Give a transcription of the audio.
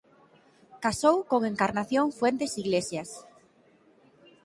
Casou con Encarnación Fuentes Iglesias.